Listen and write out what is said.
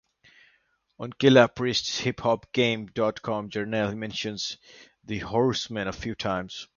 On Killah Priest's HipHopGame dot com journal, he mentions the Horsemen a few times.